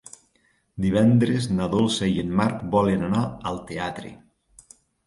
Divendres na Dolça i en Marc volen anar al teatre.